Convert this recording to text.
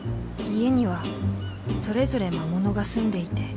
家にはそれぞれ魔物が住んでいて。